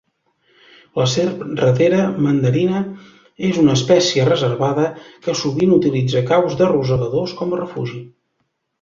La serp ratera mandarina és una espècie reservada, que sovint utilitza caus de rosegadors com a refugi.